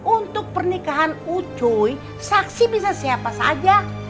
untuk pernikahan ucu saksi bisa siapa saja